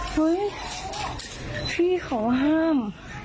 เห้ยพี่ขอห้าม